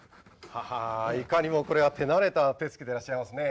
ははいかにもこれは手慣れた手つきでいらっしゃいますね。